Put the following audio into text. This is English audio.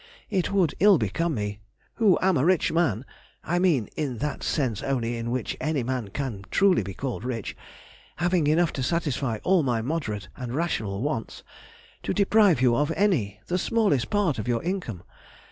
It would ill become me, who am a rich man (I mean in that sense only in which any man can truly be called rich,—having enough to satisfy all my moderate and rational wants), to deprive you of any, the smallest part of your income.